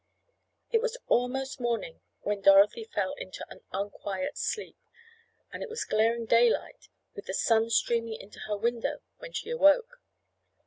It was almost morning when Dorothy fell into an unquiet sleep, and it was glaring daylight, with the sun streaming into her window, when she awoke.